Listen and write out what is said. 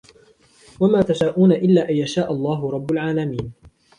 وما تشاءون إلا أن يشاء الله رب العالمين